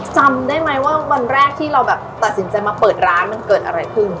จำได้ไหมว่าวันแรกที่เราแบบตัดสินใจมาเปิดร้านมันเกิดอะไรขึ้น